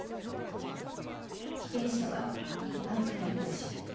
被験者は一般から募集。